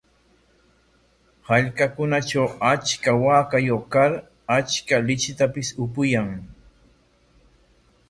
Hallqakunatraw achka waakayuq kar achka lichitapis upuyan.